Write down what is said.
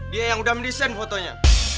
dia yang udah mendesain fotonya